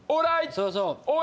そうそう。